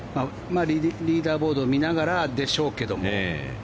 リーダーボードを見ながらでしょうけども。